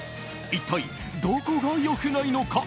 一体どこが良くないのか？